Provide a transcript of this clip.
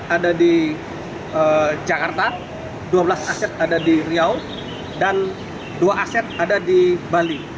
ada di jakarta dua belas aset ada di riau dan dua aset ada di bali